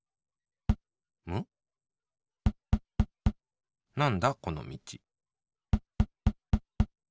むっなんだこのみち。